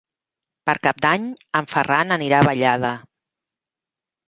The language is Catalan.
Per Cap d'Any en Ferran anirà a Vallada.